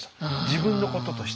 自分のこととして。